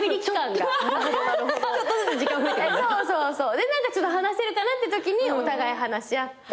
で何か話せるかなってときにお互い話し合って。